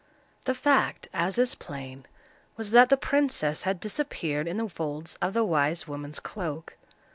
The fact, as is plain, was, that the princess had disappeared in the folds of the wise woman's cloak.